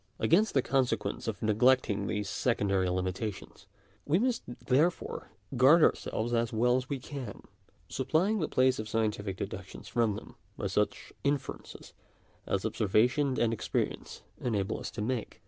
Against the conse quence of neglecting these secondary limitations, we must therefore guard ourselves as well as we can; supplying the place of scientific deductions from them, by such inferences as observation and experience enable us to make.